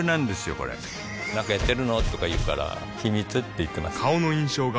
これなんかやってるの？とか言うから秘密って言ってます